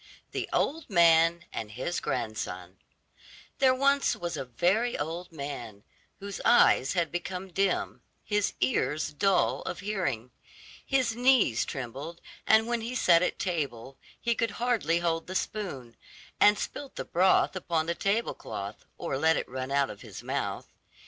THE OLD MAN AND HIS GRANDSON There was once a very old man, whose eyes had become dim, his ears dull of hearing, his knees trembled, and when he sat at table he could hardly hold the spoon, and spilt the broth upon the table cloth or let it run out of his mouth.